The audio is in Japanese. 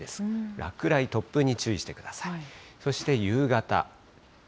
落雷、突風に注意してください。